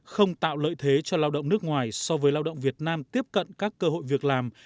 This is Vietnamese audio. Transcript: không tạo lợi thế cho lao động nước ngoài so với lao động việt nam tiếp cận các cơ hội việc làm